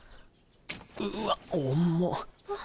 うわっ重っ。